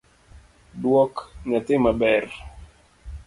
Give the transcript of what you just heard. Duok nyathi maber